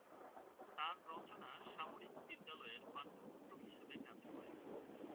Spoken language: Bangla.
তাঁর রচনা সামরিক বিদ্যালয়ের পাঠ্যপুস্তক হিসেবে কাজ করে।